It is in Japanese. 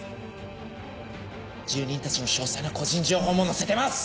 住人たちの詳細な個人情報も載せてます！